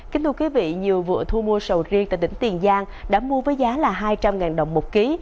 kính thưa quý vị nhiều vụ thu mua sầu riêng tại đỉnh tiền giang đã mua với giá là hai trăm linh đồng một kg